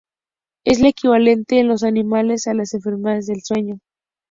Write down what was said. Es el equivalente en los animales a la enfermedad del sueño.